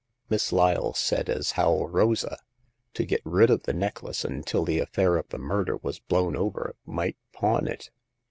Miss Lyle said as how Rosa, to get rid of the necklace until the affair of the murder was blown over, might pawn it.